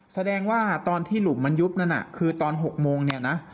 แสดงว่าตอนที่หลุมมันยุบนั่นน่ะคือตอน๖โมงเนี่ยนะ